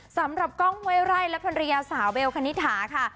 สำหรับกล้องเว้ยไร่และธรรยาสาวเบลคณิฐาค่ะ